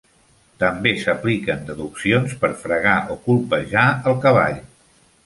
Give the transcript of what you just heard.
També s'apliquen deduccions per fregar o colpejar el cavall.